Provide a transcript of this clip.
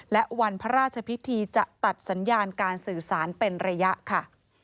และวันพระราชพิธีจะตัดสัญญาณการสื่อสารเป็นระยะค่ะ